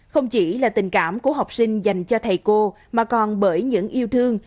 không chỉ là tình cảm của học sinh dành cho thầy cô mà còn bởi những yêu thương